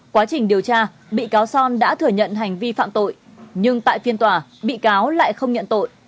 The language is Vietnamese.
quá trình điều tra bị cáo son đã thừa nhận hành vi phạm tội nhưng tại phiên tòa bị cáo lại không nhận tội